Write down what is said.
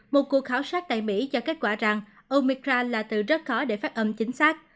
một cuộc khảo sát tại mỹ cho kết quả rằng ông micron là từ rất khó để phát âm chính xác